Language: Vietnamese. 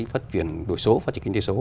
phát triển đổi số phát triển kinh tế số